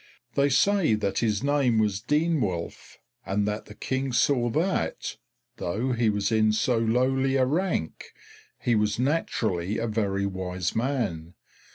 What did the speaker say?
They say that his name was Denewulf, and that the King saw that, though he was in so lowly a rank, he was naturally a very wise man.